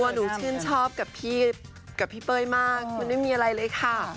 ส่วนตัวหนูชื่นชอบกับพี่เพ้ยมากมันไม่มีอะไรเลยค่ะ